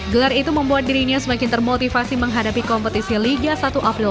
gelar itu membuat dirinya semakin termotivasi menghadapi kompetisi liga satu april dua ribu dua puluh